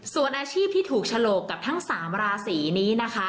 ส่วนอาชีพที่ถูกฉลกกับทั้ง๓ราศีนี้นะคะ